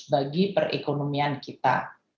bagi perekonomian kita